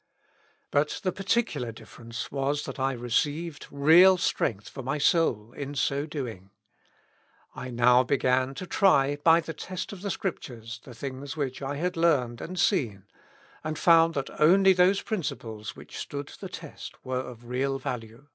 " But the particular difference was that I received real strength for my soul in so doing: I now began to try by the test of the Scrip tures the things which I had learned and seen, and found that only those principles which stood the test were of real value."